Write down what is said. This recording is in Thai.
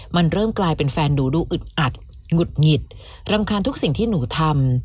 มันเริ่มกลายเป็นแฟนหนูดูอึดอัดหงุดหงิดรำคาญทุกสิ่งที่หนูทำ